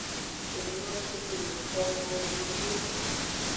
Se nyo ce ng nuko nowo nyuiede.